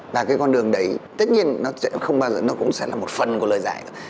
và cái con đường đấy tất nhiên nó sẽ không bao giờ là một phần của lời giải